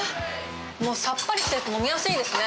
もうさっぱりしてて飲みやすいですね